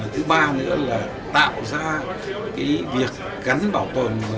thứ ba nữa là tạo ra việc gắn bảo tồn